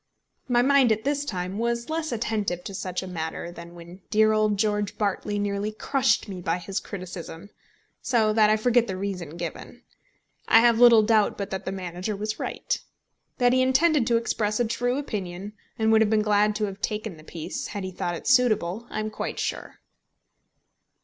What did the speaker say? My mind at this time was less attentive to such a matter than when dear old George Bartley nearly crushed me by his criticism, so that I forget the reason given. I have little doubt but that the manager was right. That he intended to express a true opinion, and would have been glad to have taken the piece had he thought it suitable, I am quite sure.